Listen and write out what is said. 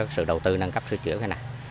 sự đầu tư nâng cấp sửa chữa cái này